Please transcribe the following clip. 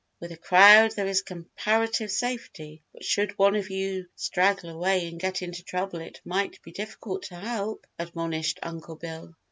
With a crowd there is comparative safety, but should one of you straggle away and get into trouble it might be difficult to help," admonished Uncle Bill.